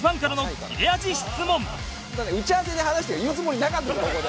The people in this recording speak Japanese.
打ち合わせで話してて言うつもりなかったのここで。